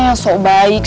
yang sok baik